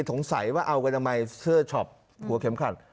สงสัยว่าเอากันทำไมเสื้อช็อปหัวเข็มขัด